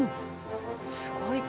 すごい。